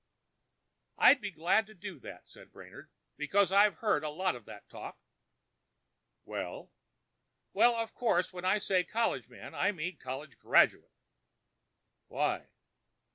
"I'd be glad to do that," said Brainard, "because I've heard a lot of that talk." "Well?" "Well—of course when I say 'college man' I mean college graduate." "Why?"